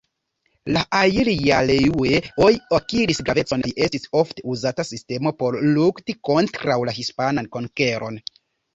La ajljareŭe-oj akiris gravecon kaj estis ofte-uzata sistemo por lukti kontraŭ la hispanan konkeron.